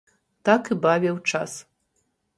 Так і бавіў час.